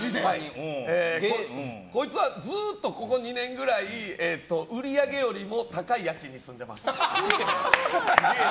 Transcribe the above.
こいつはずっとここ２年ぐらい売り上げよりも高い家賃に住んでます。